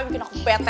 mungkin aku bete